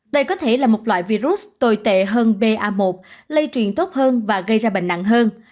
đây có thể là một loại virus tồi tệ hơn ba lây truyền tốt hơn và gây ra bệnh nặng hơn